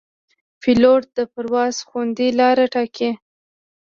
پیلوټ د پرواز خوندي لاره ټاکي.